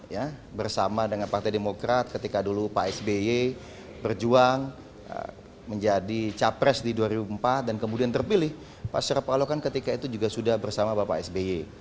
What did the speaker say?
ya bersama dengan partai demokrat ketika dulu pak sby berjuang menjadi capres di dua ribu empat dan kemudian terpilih pak surya paloh kan ketika itu juga sudah bersama bapak sby